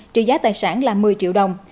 trị giá tài sản là một mươi triệu đồng